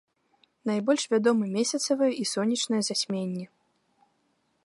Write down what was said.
Найбольш вядомы месяцавае і сонечнае зацьменні.